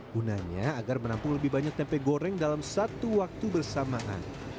gunanya agar menampung lebih banyak tempe goreng dalam satu waktu bersamaan